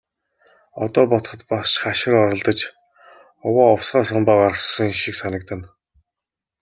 Одоо бодоход бас ч хашир оролдож, овоо овсгоо самбаа гаргасан шиг санагдана.